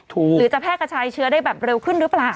หรือจะแพร่กระชายเชื้อได้แบบเร็วขึ้นหรือเปล่า